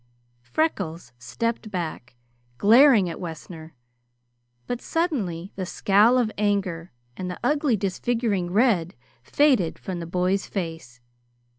Freckles stepped back, glaring at Wessner, but suddenly the scowl of anger and the ugly disfiguring red faded from the boy's face.